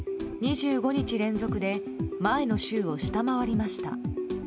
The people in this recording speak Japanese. ２５日連続で前の週を下回りました。